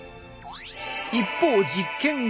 一方実験後。